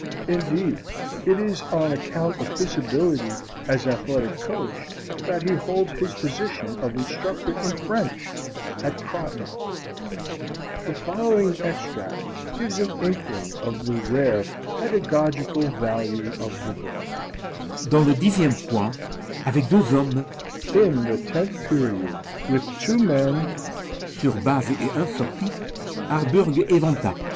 Indeed, it is on account of his ability as athletic coach that he holds his position of instructor in French at Croton. The following extract gives an inkling of the rare pedagogical value of the book: Dans le dixième point, avec deux hommes In the tenth period, with two men sur bases et un sorti, Harburg éventa.